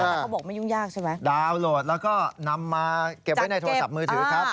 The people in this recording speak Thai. แต่เขาบอกไม่ยุ่งยากใช่ไหมดาวน์โหลดแล้วก็นำมาเก็บไว้ในโทรศัพท์มือถือครับ